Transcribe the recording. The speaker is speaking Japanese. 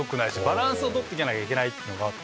バランスを取っとかなきゃいけないっていうのがあって。